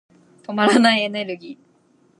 止まらないエネルギー。